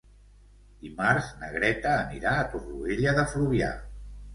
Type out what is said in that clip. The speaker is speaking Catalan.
Dimarts na Greta anirà a Torroella de Fluvià.